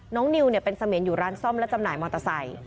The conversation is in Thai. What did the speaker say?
น้องนิวเนี่ยเป็นเสมนอยู่ร้านซ่อมและจำหน่ายมอเตอร์ไสต์